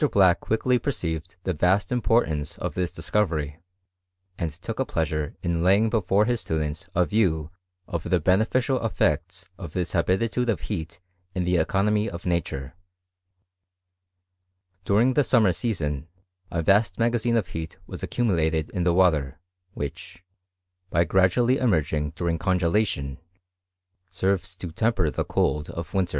Black quickly perceived the vast importance of this discovery, and took a pleasure in laying before his students a view of the beneficial effects of this ha bitude of heat in the economy of nature. During the summer season a vast magazine of heat was accumu lated in the water^ which, by gradually emerging VOL. I. V 322 BISTOKT OF CnEMXSTRT. during congelation, serves to temper the cold of wint^.